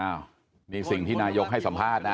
อ้าวนี่สิ่งที่นายกให้สัมภาษณ์นะ